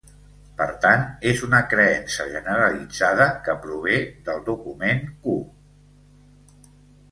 Per tant, és una creença generalitzada que prové del document Q.